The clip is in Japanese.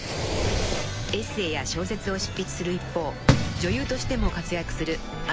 ［エッセーや小説を執筆する一方女優としても活躍する］